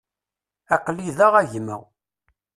Aql-i da a gma.